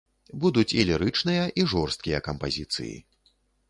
Будуць і лірычныя, і жорсткія кампазіцыі.